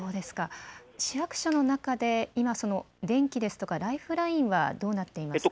市役所の中で電気やライフラインはどうなっていますか。